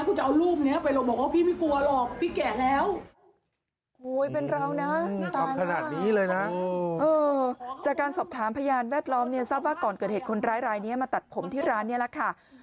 กูจะเอารูปนี้ไปลงบอกว่าพี่ไม่กลัวหรอก